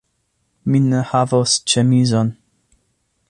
Mi ne havos ĉemizon